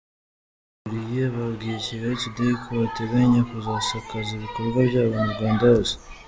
Abawukuriye babwiye Kigali Tudeyi ko bateganya kuzasakaza ibikorwa byabo mu Rwanda hose.